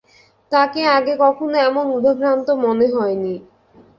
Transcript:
তাকে আগে কখনো এমন উদভ্রান্ত মনে হয়নি।